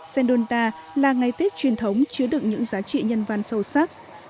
sendonta là ngày tết truyền thống chứa đựng những giá trị nhân văn sâu sắc